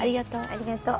ありがとう。